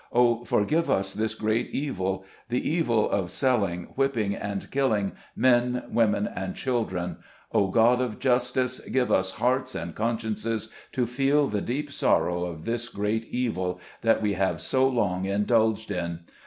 Oh, forgive us this great evil — the evil of selling, whipping, and killing men, women and children ! Oh, God of justice ! give us hearts and consciences to feel the deep sorrow of this great evil that we have so long indulged in